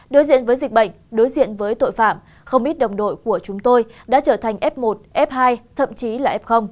đối diện với dịch bệnh đối diện với tội phạm không ít đồng đội của chúng tôi đã trở thành f một f hai thậm chí là f